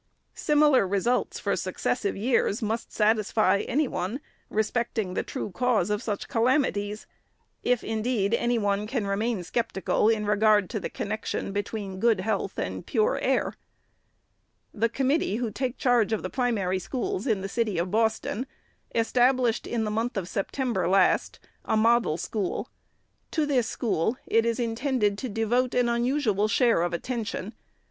Similar re sults for successive years must satisfy any one, respecting the true cause of such calamities ; if, indeed, any one can remain sceptical in regard to the connection between good health and pure air. ' The committee who take charge of the Primary Schools in the city of Boston, established, in the month of Septem ber last, a " Model School." To this school it is intended to devote an unusual share of attention.